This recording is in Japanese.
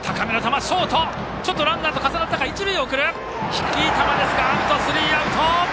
低い球ですがアウトスリーアウト。